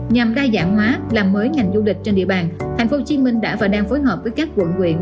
nhằm đa dạng hóa làm mới ngành du lịch trên địa bàn tp hcm đã và đang phối hợp với các quận quyện